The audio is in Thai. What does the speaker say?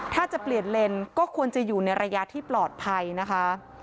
ถ้าจะเปลี่ยนเลนก็ควรจะอยู่ในระยะที่ปลอดภัยนะคะ